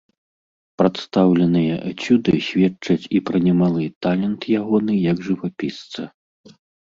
Прадстаўленыя эцюды сведчаць і пра немалы талент ягоны як жывапісца.